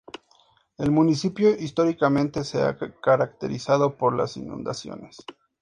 El municipio históricamente se ha caracterizado por las inundaciones.